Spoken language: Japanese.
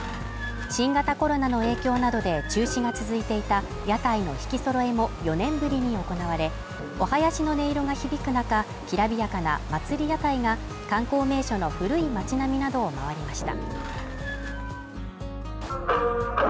新型コロナの影響などで中止が続いていた屋台の曳き揃えも４年ぶりに行われ、お囃子の音色が響く中きらびやかな祭屋台が観光名所の古い町並みなどを回りました。